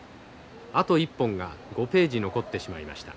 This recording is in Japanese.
あと１本が５ページ残ってしまいました。